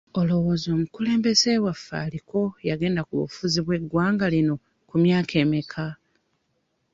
Olowooza omukulembeze waffe aliko yagenda ku bufuzi bw'eggwanga lino ku myaka emmeka?